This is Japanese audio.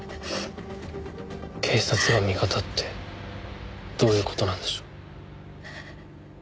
警察が味方ってどういう事なんでしょう？